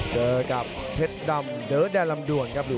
เจอกับเพชรดำเดอแดนลำด่วนครับ